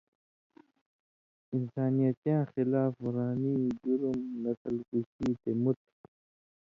اِنسانیتیاں خلاف ورانی (جرم)، نسل کُشی تے مُت۔